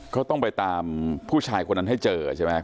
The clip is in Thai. เขาต้องไปตามผู้ชายคนนั้นให้เจอใช่ไหม